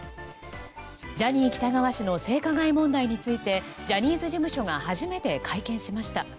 ジャニー喜多川氏の性加害問題についてジャニーズ事務所が初めて会見しました。